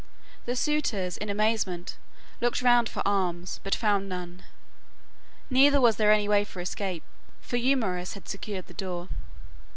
The suitors, in amazement, looked round for arms, but found none, neither was there any way of escape, for Eumaeus had secured the door.